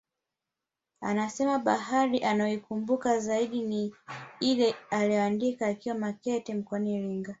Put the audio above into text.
Anasema habari anayoikumbuka zaidi ni ile aliyoiandika akiwa Makete mkoani Iringa